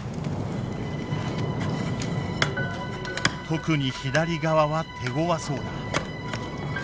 特に左側は手ごわそうだ。